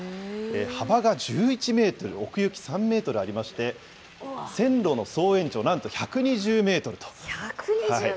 幅が１１メートル、奥行き３メートルありまして、線路の総延長、なんと１２０メートルと。